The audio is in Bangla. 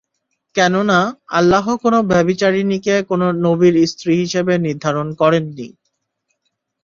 কেননা, আল্লাহ কোন ব্যভিচারিণীকে কোন নবীর স্ত্রী হিসেবে নির্ধারণ করেননি।